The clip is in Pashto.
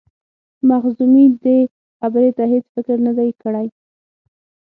مخزومي دې خبرې ته هیڅ فکر نه دی کړی.